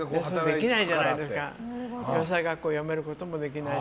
洋裁学校やめることもできないし。